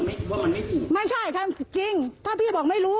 ว่ามันไม่จริงไม่ใช่ทำจริงถ้าพี่บอกไม่รู้